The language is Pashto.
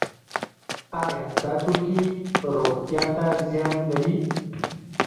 آیا دا توکي روغتیا ته زیان لري؟